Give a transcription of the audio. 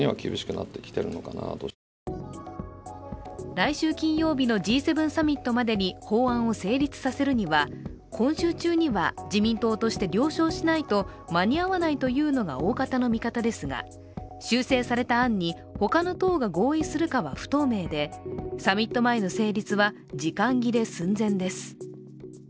来週金曜日のＧ７サミットまでに法案を成立させるためには、今週中には自民党として了承しないと間に合わないというのが大方の見方ですが修正された案に他の党が合意するかは不透明で、サミット前の成立は時間切れ寸前です。